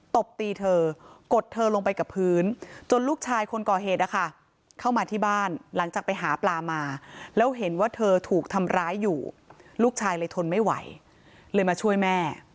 ตบตีเธอกดเธอลงไปกับพื้นจนลูกชายคนก่อเหตุนะคะเข้ามาที่บ้านหลังจากไปหาปลามาแล้วเห็นว่าเธอถูกทำร้ายอยู่ลูกชายเลยทนไม่ไหวเลยมาช่วยแม่